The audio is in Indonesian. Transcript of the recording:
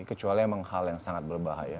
kecuali memang hal yang sangat berbahaya